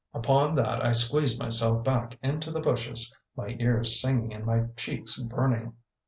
Upon that I squeezed myself back into the bushes, my ears singing and my cheeks burning.